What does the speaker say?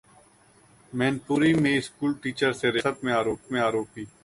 मैनपुरी में school teacher से rape, हिरासत में आरोपी